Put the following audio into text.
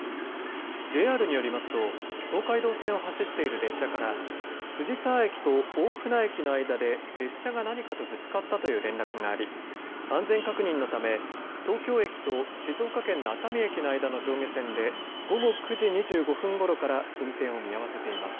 ＪＲによりますと東海道線を走っている列車から藤沢駅と大船駅の間で列車が何かとぶつかったという連絡があり安全確認のため東京駅と静岡県の熱海駅の間の上下線で午後９時２５分ごろから運転を見合わせています。